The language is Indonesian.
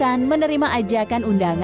baik maksinyejik man elf bila beranjung